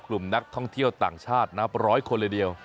กลุ่มนักท่องเที่ยวต่างชาติประมาณ๑๐๐คนเลยเดียว